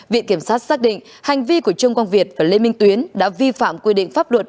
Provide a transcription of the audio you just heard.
viện kiểm sát xác định hành vi của trương quang việt và lê minh tuyến đã vi phạm quy định pháp luật